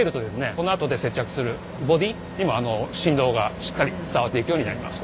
このあとで接着するボディーにも振動がしっかり伝わっていくようになります。